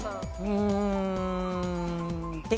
うん。